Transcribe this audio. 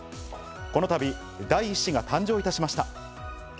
このたび、第一子が誕生いたしました。